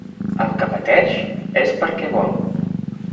El que pateix, és perquè vol.